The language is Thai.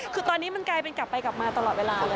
คือตอนนี้มันกลายเป็นกลับไปกลับมาตลอดเวลาแล้ว